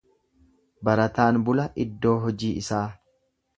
Barataan bula iddoo hojii isaa.